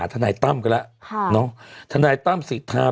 ธนายตั้มเขาหล่อนะ